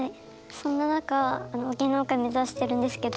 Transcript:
そんな中芸能界目指してるんですけど。